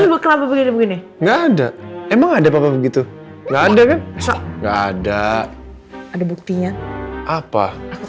enggak ada begitu enggak ada emang ada begitu enggak ada ada buktinya apa